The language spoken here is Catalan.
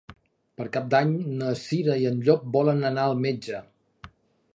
Per Cap d'Any na Cira i en Llop volen anar al metge.